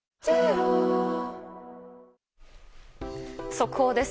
速報です。